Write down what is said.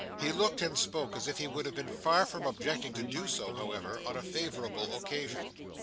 He looked and spoke as if he would have been far from objecting to do so, however, on a favourable occasion.